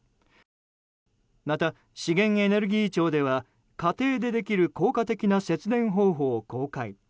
また、資源エネルギー庁では家庭でできる効果的な節電方法を公開。